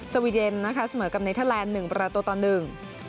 สวีเดนนะคะเสมอกกับเนเทอร์แลนด์๑ประตูต่อ๑